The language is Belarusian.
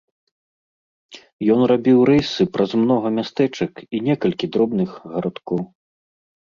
Ён рабіў рэйсы праз многа мястэчак і некалькі дробных гарадкоў.